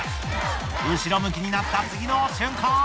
後ろ向きになった次の瞬間。